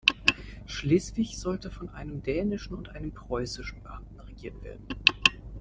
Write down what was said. Schleswig sollte von einem dänischen und einem preußischen Beamten regiert werden.